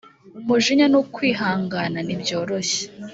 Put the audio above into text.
Umujinya n’ukwihangana ntibyoroshye